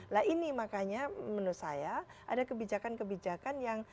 nah ini makanya menurut saya ada kebijakan kebijakan yang